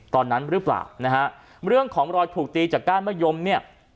ตอนนั้นหรือเปล่านะฮะเรื่องของรอยถูกตีจากก้านมะยมเนี่ย